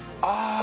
ああ。